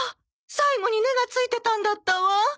最後に「ネ」がついてたんだったわ。